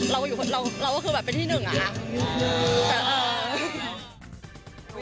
เราก็คือแบบเป็นที่หนึ่งอะค่ะ